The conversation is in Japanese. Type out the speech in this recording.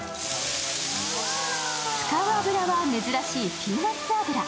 使う油は珍しいピーナッツ油。